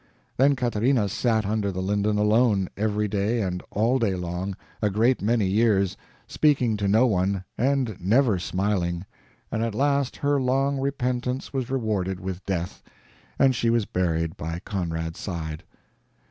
Then Catharina sat under the linden alone, every day and all day long, a great many years, speaking to no one, and never smiling; and at last her long repentance was rewarded with death, and she was buried by Conrad's side.